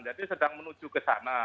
jadi sedang menuju ke sana